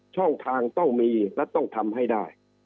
ช่องทางต้องมีและต้องทำให้ได้